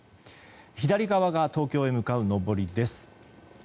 左側が東京へ向かう上りです。